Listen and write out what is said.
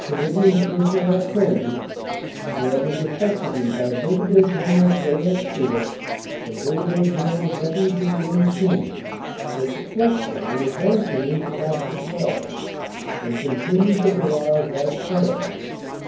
Canadian Divisional Artilleries, commanded respectively by Brig. General J. S. Stewart and Brig. General W. B. M. King, were successful in advancing into captured ground, and con tinued the barrage as planned.